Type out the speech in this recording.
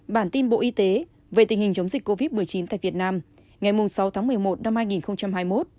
bản tin bộ y tế về tình hình chống dịch covid một mươi chín tại việt nam ngày sáu tháng một mươi một năm hai nghìn hai mươi một